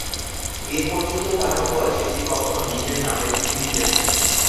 এ পর্যন্তও তাহার বয়সে সে কখনো নিজের নামের চিঠি দেখে নাই।